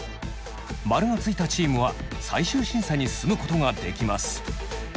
マルのついたチームは最終審査に進むことができます。